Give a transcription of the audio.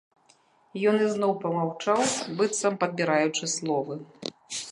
Ён ізноў памаўчаў, быццам падбіраючы словы.